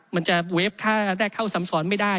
มันจะเวฟถ้าได้เข้าซ้ำซ้อนไม่ได้